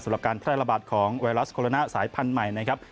การแพร่ระบาดของไวรัสโคโรนาสายพันธุ์ใหม่นะครับ